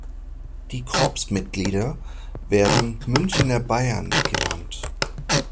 Die Corpsmitglieder werden "Münchner Bayern" genannt.